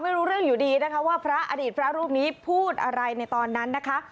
ไม่รู้เรื่องอยู่ดีนะคะว่าพระอดีตพระรูปนี้พูดอะไรในตอนนั้นนะคะ